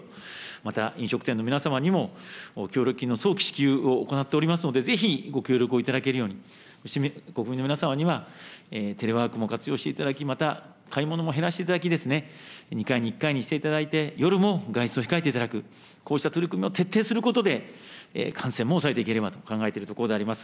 また、飲食店の皆様にも協力金の早期支給を行っておりますので、ぜひご協力をいただけるように、国民の皆様には、テレワークも活用していただき、また買い物も減らしていただき、２回に１回にしていただいて、夜も外出を控えていただく、こうした取り組みを徹底することで、感染も抑えていければと考えているところであります。